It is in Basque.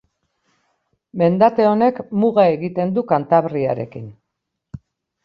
Mendate honek muga egiten du Kantabriarekin.